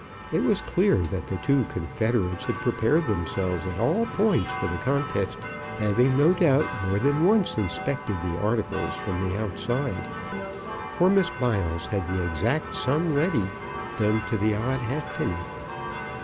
It was clear that the two confederates had prepared themselves at all points for the contest, having, no doubt, more than once inspected the article from the outside, for Miss Biles had the exact sum ready, done to the odd halfpenny.